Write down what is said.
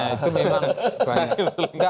itu memang banyak